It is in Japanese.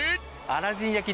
アラジン焼き？